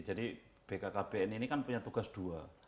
jadi bkkbn ini kan punya tugas dua